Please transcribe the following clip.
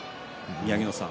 宮城野さん。